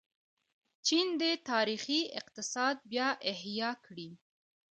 چین د تاریخي اقتصاد بیا احیا کړې.